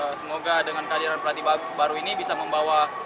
semoga dengan kehadiran pelatih baru ini bisa membawa